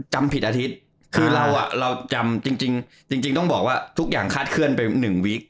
จำผิดอาทิตย์คือเราอ่ะเราจำจริงจริงจริงจริงต้องบอกว่าทุกอย่างคาดเคลื่อนไปหนึ่งวิก